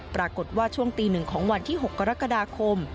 ปรากฏว่าช่วงตี๑ของวันที่๖กรกฎาคม